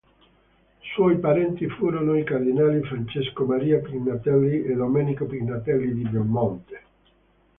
Suoi parenti furono i cardinali Francesco Maria Pignatelli e Domenico Pignatelli di Belmonte.